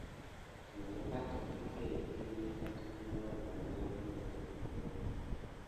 Nəbatek əkayet kiriŋ a təky na əzangya vi memeɗiŋɗeŋ.